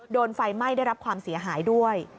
โดนไฟไหม้ได้รับความเสียหายด้วย